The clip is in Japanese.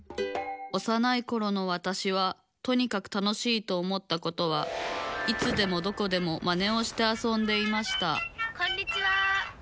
おさないころのわたしはとにかく楽しいと思ったことはいつでもどこでもマネをしてあそんでいましたこんにちは。